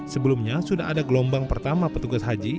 sebelumnya sudah ada gelombang pertama petugas haji